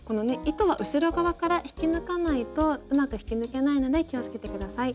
糸は後ろ側から引き抜かないとうまく引き抜けないので気をつけて下さい。